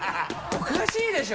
おかしいでしょ？